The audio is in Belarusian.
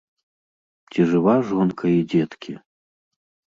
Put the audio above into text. Цi жыва жонка i дзеткi...